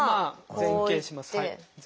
前傾します。